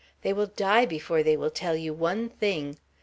They will die before they will tell you one thing.